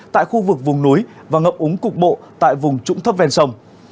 tại khu vực vùng núi và ngập úng cục bộ tại vùng trũng thấp ven sông